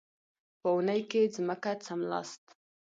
په اورنۍ ځمکه څملاست.